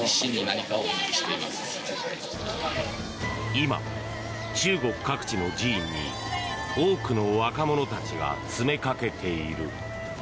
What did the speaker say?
今、中国各地の寺院に多くの若者たちが詰めかけている。